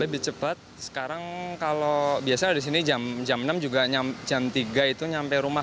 lebih cepat sekarang kalau biasanya di sini jam enam juga jam tiga itu nyampe rumah